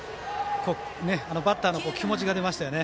バッターの気持ちが出ましたよね。